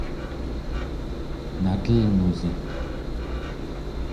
natelngusit?